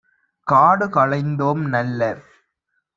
காடு களைந்தோம் - நல்ல